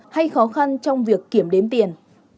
hay khó khăn trong việc kiểm đếm tiền